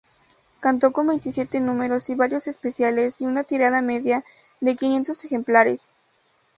Contó con veintisiete números y varios especiales, y una tirada media de quinientos ejemplares.